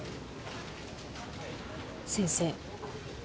先生。